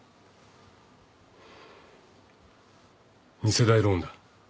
２世代ローンだ。